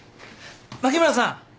牧村さん。